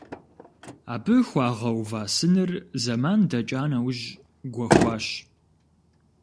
Абы хуагъэува сыныр зэман дэкӀа нэужь гуэхуащ.